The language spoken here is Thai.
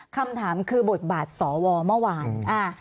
คำถามคือบทบาทสอวอล์เมื่อวานอ่า